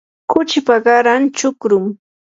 kuchipa qaran chukrumi.